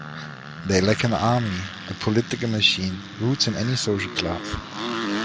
They lack an army, a political machine, roots in any social class.